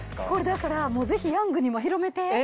これだからもうぜひヤングにも広めて。